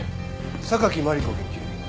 榊マリコ研究員。